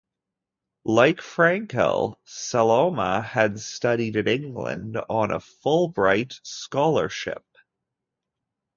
Like Frankel, Saloma had studied in England on a Fulbright scholarship.